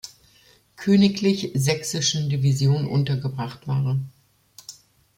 Königlich Sächsischen Division untergebracht waren.